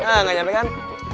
hah gak nyampe kan